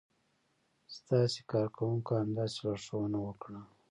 د تاسې کارکونکو همداسې لارښوونه وکړه.